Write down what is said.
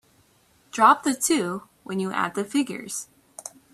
Drop the two when you add the figures.